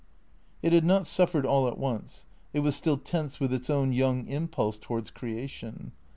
It had not suffered all at once. It was still tense with its own young impulse towards creation.